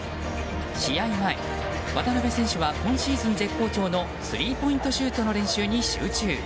試合前、渡邊選手は今シーズン絶好調のスリーポイントシュートの練習に集中。